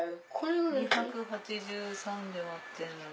２８３で割ってんのに。